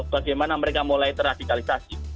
bagaimana mereka mulai teradikalisasi